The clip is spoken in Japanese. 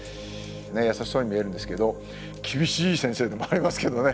優しそうに見えるんですけど厳しい先生でもありますけどね。